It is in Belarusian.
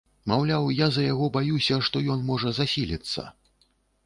Маўляў, я за яго баюся, што ён можа засіліцца.